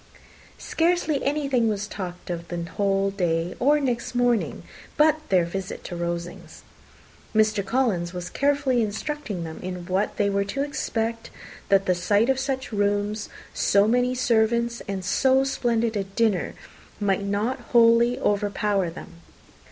Scarcely anything was talked of the whole day or next morning but their visit to Rosings. Mr. Collins was carefully instructing them in what they were to expect, that the sight of such rooms, so many servants, and so splendid a dinner, might not wholly overpower them.